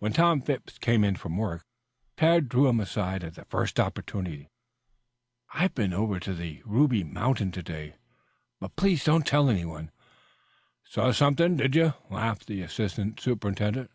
When Tom Phipps came in from work, Tad drew him aside at the first opportunity. "I've been over to the Ruby Mountain to day, but please don't tell anyone." "Saw something, did you?" laughed the assistant superintendent.